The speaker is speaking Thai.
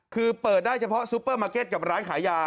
คือเปิดได้เฉพาะซูเปอร์มาร์เก็ตกับร้านขายยา